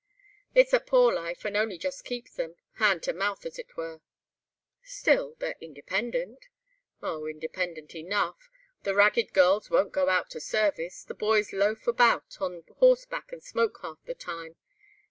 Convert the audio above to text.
It's a poor life, and only just keeps them—hand to mouth, as it were." "Still, they're independent." "Oh! independent enough—the ragged girls won't go out to service. The boys loaf about on horseback and smoke half the time.